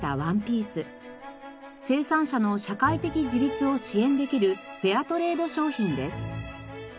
生産者の社会的自立を支援できるフェアトレード商品です。